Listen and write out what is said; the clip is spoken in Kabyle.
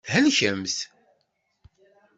Thelkemt.